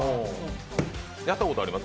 やったことあります？